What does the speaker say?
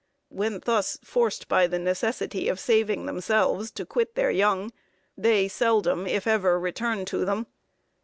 When thus forced by the necessity of saving themselves to quit their young, they seldom, if ever, return to them.